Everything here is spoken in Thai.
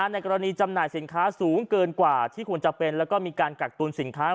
ในกรณีจำหน่ายสินค้าสูงเกินกว่าที่ควรจะเป็นแล้วก็มีการกักตุลสินค้า